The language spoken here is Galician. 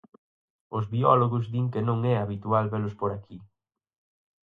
Os biólogos din que non é habitual velos por aquí.